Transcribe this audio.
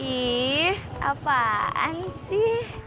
ih apaan sih